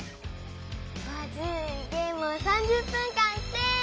まずゲームを３０分間して。